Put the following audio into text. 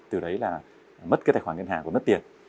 từ đấy là mất cái tài khoản ngân hàng và mất tiền